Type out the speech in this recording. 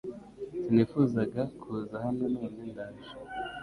Sinifuzaga kuza hano none ndaje